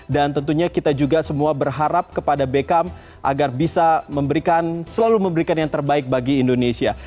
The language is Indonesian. dan tentunya kita juga semua berharap kepada bekam agar bisa memberikan selalu memberikan yang terbaik bagi indonesia